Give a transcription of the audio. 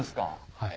はい。